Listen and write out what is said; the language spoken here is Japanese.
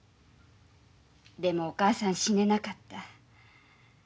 でもお母さん死ねなかった。